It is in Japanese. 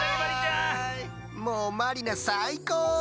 もうまりなさいこう！